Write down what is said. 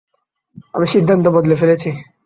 আমি সিদ্ধান্ত বদলে ফেলেছি।